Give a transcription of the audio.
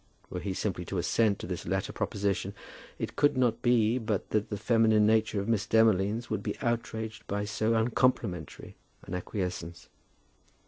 Were he simply to assent to this latter proposition, it could not be but that the feminine nature of Miss Demolines would be outraged by so uncomplimentary an acquiescence.